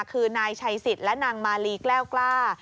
คือนายชัยสิทธิ์และนางมาลีแก้วกล้า